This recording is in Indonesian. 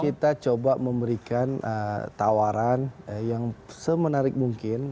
kita coba memberikan tawaran yang semenarik mungkin